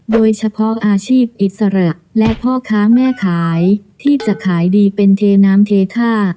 โดยเฉพาะอาชีพอิสระและพ่อค้าแม่ขายที่จะขายดีเป็นเทน้ำเทท่า